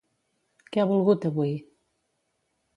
Què ha volgut avui?